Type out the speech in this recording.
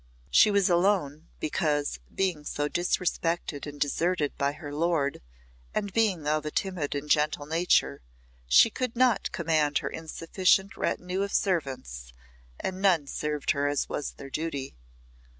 She was alone, because, being so disrespected and deserted by her lord, and being of a timid and gentle nature, she could not command her insufficient retinue of servants, and none served her as was their duty.